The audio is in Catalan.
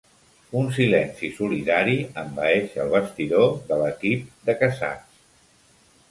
Un silenci solidari envaeix el vestidor de l'equip de Casats.